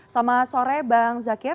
selamat sore bang zakir